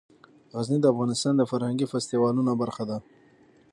غزني د افغانستان د فرهنګي فستیوالونو برخه ده.